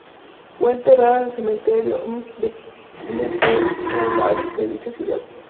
Fue enterrada en el Cementerio Mt. Calvary de dicha ciudad.